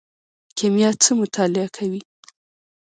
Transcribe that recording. کیمیا څه مطالعه کوي؟